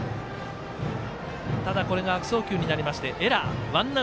ただ、これが悪送球になってエラー。